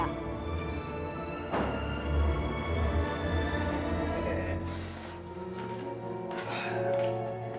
jangan lupa ya